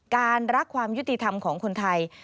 รักความยุติธรรมของคนไทย